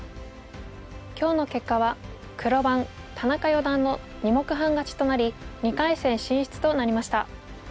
今日の結果は黒番田中四段の２目半勝ちとなり２回戦進出となりました。